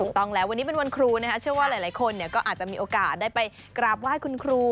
ต้องแล้ววันนี้เป็นวันครูนะคะเชื่อว่าหลายคนก็อาจจะมีโอกาสได้ไปกราบไหว้คุณครู